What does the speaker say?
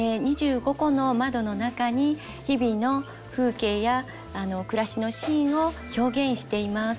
２５コの窓の中に日々の風景や暮らしのシーンを表現しています。